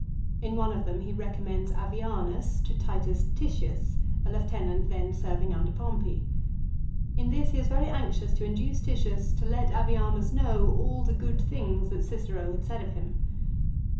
In one of them he recommends Avianus to Titus Titius, a Lieu tenant then serving under Pompey. 3 In this he is very anxious to induce Titius to let Avianus know all the good things that Cicero had said of him.